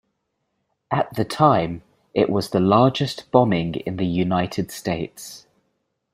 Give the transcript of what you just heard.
At the time, it was the largest bombing in the United States.